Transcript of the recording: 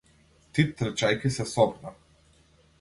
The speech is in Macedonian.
Ти трчајќи се сопна.